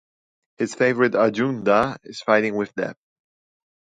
His favourite Arjun Da is fighting with death.